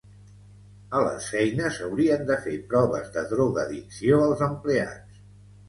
A les feines haurien de fer proves de drogoaddicció als empleats.